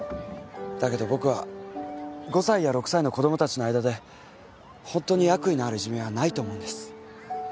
だけど僕は５歳や６歳の子供たちの間でホントに悪意のあるいじめはないと思うんです。